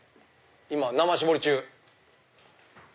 今生絞り中。